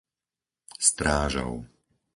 Strážov